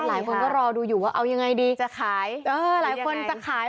หลายคนก็รอดูอยู่ว่าเอายังไงดีจะขายเออหลายคนจะขาย